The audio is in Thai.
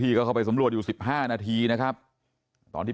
และก็คือว่าถึงแม้วันนี้จะพบรอยเท้าเสียแป้งจริงไหม